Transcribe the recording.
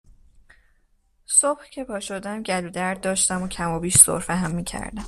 صبح که پاشدم گلو درد داشتم و کمابیش سرفه هم میکردم